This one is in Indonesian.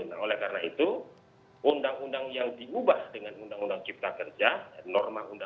nah oleh karena itu undang undang yang diubah dengan undang undang cipta kerja